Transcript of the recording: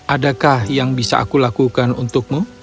adakah yang bisa aku lakukan untukmu